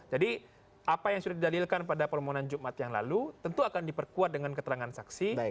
jadi apa yang sudah didalilkan pada permohonan jumat yang lalu tentu akan diperkuat dengan keterangan saksi